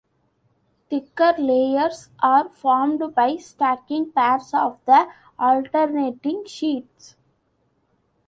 Thicker layers are formed by stacking pairs of the alternating sheets.